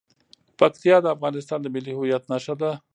پکتیا د افغانستان د ملي هویت نښه ده.